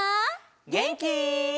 げんき？